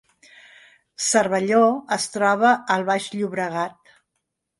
Cervelló es troba al Baix Llobregat